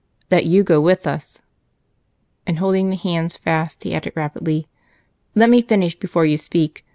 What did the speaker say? "That you go with us." And, holding the hands fast, he added rapidly, "Let me finish before you speak.